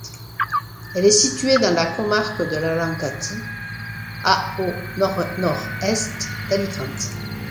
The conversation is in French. Elle est située dans la comarque de l'Alacantí, à au nord-nord-est d’Alicante.